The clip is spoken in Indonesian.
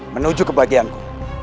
menuju ke bagianku